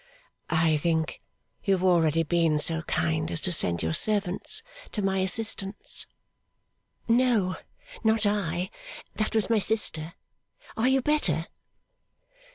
'I think you have already been so kind as to send your servants to my assistance?' 'No, not I; that was my sister. Are you better?